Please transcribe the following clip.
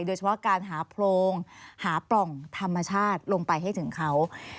โดยเฉพาะการหาโพรงหาปล่องธรรมชาติลงไปให้ถึงเขา